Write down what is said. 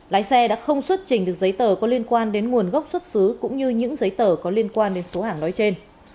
lái xe đã không xuất trình được giấy tờ có liên quan đến nguồn gốc xuất xứ cũng như những giấy tờ có liên quan đến số hàng nói trên